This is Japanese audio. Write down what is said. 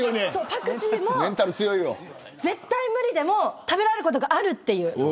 パクチーも絶対無理でも食べられることがあるっていう。